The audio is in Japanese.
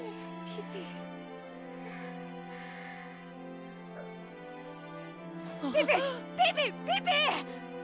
ピピピピ！